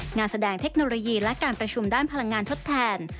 งานแสดงเทคโนโลยีและการประชุมด้านพลังงานทดแทน